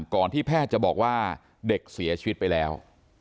ที่แพทย์จะบอกว่าเด็กเสียชีวิตไปแล้ว